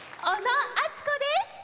小野あつこです！